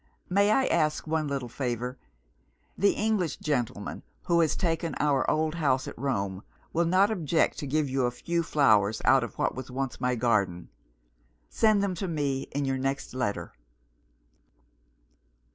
May I ask one little favour? The English gentleman who has taken our old house at Rome, will not object to give you a few flowers out of what was once my garden. Send them to me in your next letter."